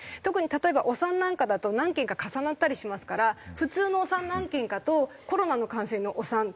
特に例えばお産なんかだと何件か重なったりしますから普通のお産何件かとコロナの感染のお産。